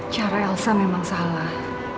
cara elsa memang salah